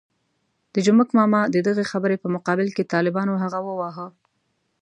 د جومک ماما د دغې خبرې په مقابل کې طالبانو هغه وواهه.